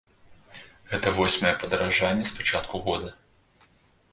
Гэта восьмае падаражанне з пачатку года.